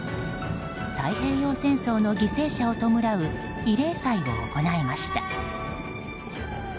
太平洋戦争の犠牲者を弔う慰霊祭を行いました。